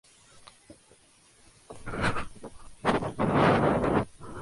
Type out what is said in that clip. Gastón confesó abiertamente su falta y entregó a todos sus cómplices.